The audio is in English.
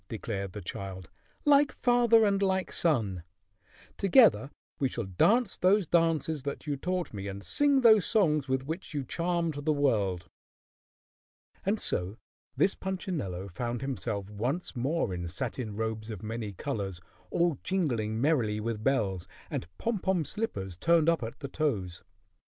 declared the child, "like father and like son. Together we shall dance those dances that you taught me and sing those songs with which you charmed the world." And so this Punchinello found himself once more in satin robes of many colors, all jingling merrily with bells, and pom pom slippers turned up at the toes.